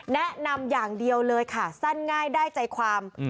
แนะนำอย่างเดียวเลยค่ะสั้นง่ายได้ใจความ